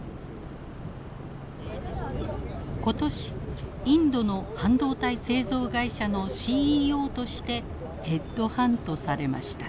今年インドの半導体製造会社のＣＥＯとしてヘッドハントされました。